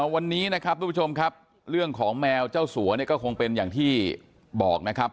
วันนี้นะครับทุกผู้ชมครับเรื่องของแมวเจ้าสัวเนี่ยก็คงเป็นอย่างที่บอกนะครับ